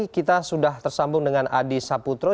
kita sudah tersambung dengan adi saputro